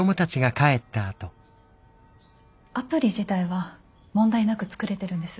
アプリ自体は問題なく作れてるんです。